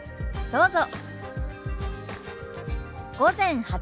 どうぞ。